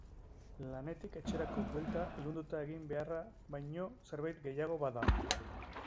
Lanetik etxerako buelta ilunduta egin beharra baino zerbait gehiago bada.